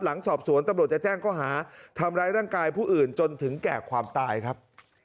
หลังสอบสวนตำรวจจะแจ้งข้อหาทำร้ายร่างกายผู้อื่นจนถึงแก่ความตายครับ